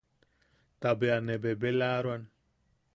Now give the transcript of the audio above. Ta bea ne bebelaaroan.